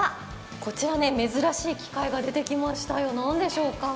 こちら珍しい機械が出てきましたよ、何でしょうか。